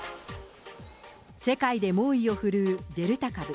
世界で猛威を振るうデルタ株。